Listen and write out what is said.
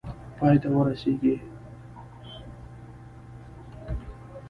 پای ته ورسیږي.